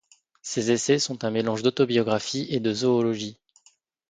Ses essais sont un mélange d'autobiographie et de zoologie.